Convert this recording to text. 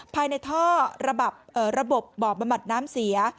ภายในท่อระบบเอ่อระบบบอกประหมัดน้ำเสีย